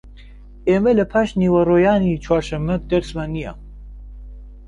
ئێمە لە پاشنیوەڕۆیانی چوارشەممە دەرسمان نییە.